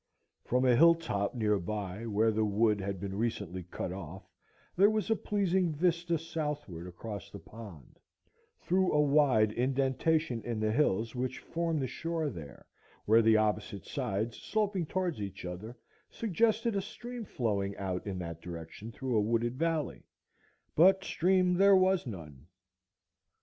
From a hill top near by, where the wood had been recently cut off, there was a pleasing vista southward across the pond, through a wide indentation in the hills which form the shore there, where their opposite sides sloping toward each other suggested a stream flowing out in that direction through a wooded valley, but stream there was none.